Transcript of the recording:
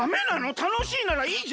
たのしいならいいじゃん！